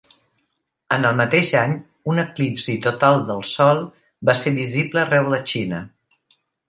En el mateix any, un eclipsi total del Sol va ser visible arreu la Xina.